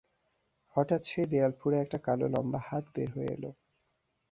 হঠাৎ সেই দেয়াল ফুঁড়ে একটা কালো লম্বা হাত বের হয়ে এল।